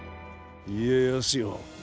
家康よ。